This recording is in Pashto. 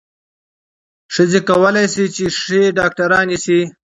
ښځې کولای شي چې ښې ډاکټرانې شي.